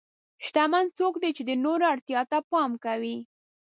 شتمن څوک دی چې د نورو اړتیا ته پام کوي.